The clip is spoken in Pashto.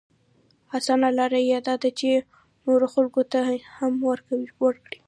اسانه لاره يې دا ده چې نورو خلکو ته هم ورکړي.